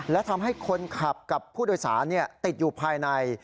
และทำให้คนขับกับผู้โดยสารติดอยู่ภายใน